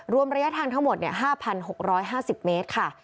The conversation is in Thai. รวมระยะทางทั้งหมด๕๖๕๐เมตรค่ะ